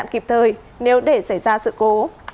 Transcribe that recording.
để đạt kịp thời nếu để xảy ra sự cố